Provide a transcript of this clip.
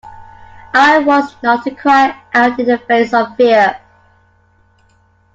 I was not to cry out in the face of fear.